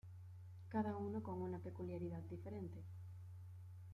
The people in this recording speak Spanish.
Cada uno con una peculiaridad diferente.